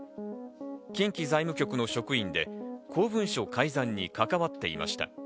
近畿財務局の職員で公文書改ざんに関わっていました。